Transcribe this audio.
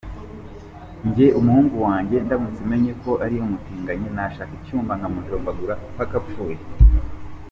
Njye umuhungu wanjye ndamutse menye ko ari umutinganyi, nashaka icyuma nkamujombagura mpaka apfuye.